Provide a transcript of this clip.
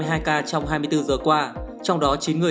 trong hai mươi bốn giờ qua trong đó chín người